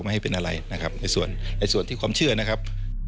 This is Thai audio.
ไม่ให้เป็นอะไรนะครับในส่วนที่ความเชื่อนะครับ